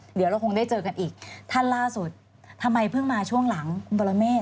เดี๋ยวเราคงได้เจอกันอีกท่านล่าสุดทำไมเพิ่งมาช่วงหลังคุณบรเมฆ